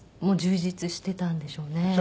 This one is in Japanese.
充実してたんでしょうね。